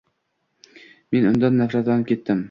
Men undan nafratlanib ketdim.